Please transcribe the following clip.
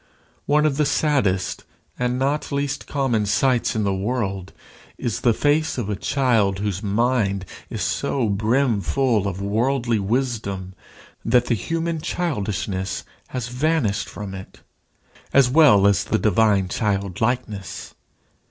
One of the saddest and not least common sights in the world is the face of a child whose mind is so brimful of worldly wisdom that the human childishness has vanished from it, as well as the divine childlikeness.